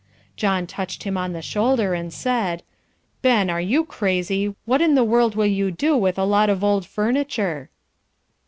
John touched him on the shoulder, and said, "Ben, are you crazy? What in the world will you do with a lot of old furniture?"